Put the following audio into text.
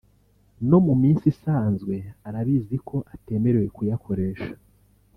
no mu minsi isanzwe arabizi ko atemerewe kuyakoresha